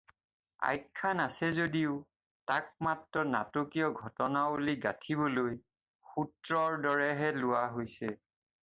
আখ্যান আছে যদিও তাক মাত্ৰ নাটকীয় ঘটনাৱলী গাঁথিবলৈ সূত্ৰৰ দৰেহে লোৱা হৈছে।